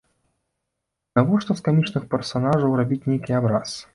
Навошта з камічных персанажаў рабіць нейкі абраз.